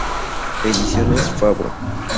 Ediciones Fabro.